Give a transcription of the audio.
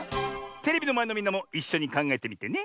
テレビのまえのみんなもいっしょにかんがえてみてね。